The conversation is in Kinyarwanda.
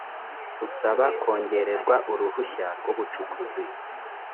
usaba kongererwa uruhushya rw ubucukuzi